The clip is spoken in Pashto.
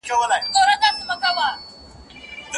مقابل اړخ بي احساسه او احسان هيروونکی ګڼي.